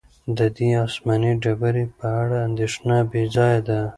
د دې آسماني ډبرې په اړه اندېښنه بې ځایه ده.